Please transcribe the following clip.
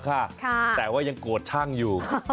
หายตัวแล้วโอเคนะ